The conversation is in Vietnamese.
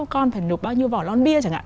con phải nộp bao nhiêu vỏ lon bia chẳng hạn